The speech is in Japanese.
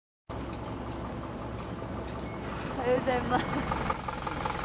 おはようございます。